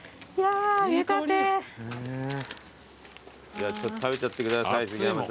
じゃあちょっと食べちゃってください杉山さん。